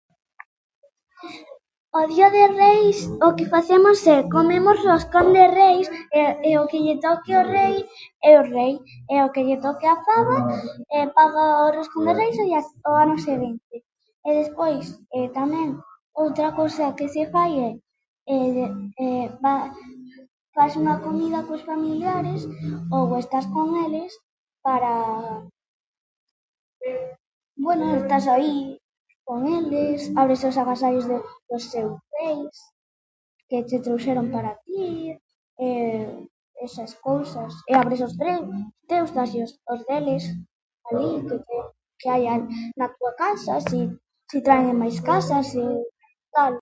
O día de reis o que facemos é comemos roscón de reis e e o que lle toque o rei é o rei e o que lle toque a faba paga o roscón de reis ao día se-, ao ano seguinte. E despois, tamén, outra cousa que se fai é de é fa- fas unha comida cos familiares ou estás con eles para, bueno, estás aí con eles, abres os agasallos de do seus reis que che trouxeron para ti e esas cousas e abres os teus teus, dáslles os os deles alí que hai na túa casa, si si traen en máis casas si tal.